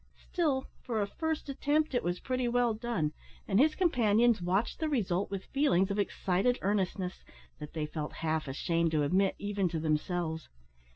Still, for a first attempt, it was pretty well done, and his companions watched the result with feelings of excited earnestness, that they felt half ashamed to admit even to themselves.